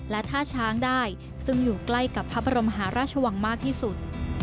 และท่าช้างได้ซึ่งอยู่ใกล้กับพระบรมหาราชวังมากที่สุด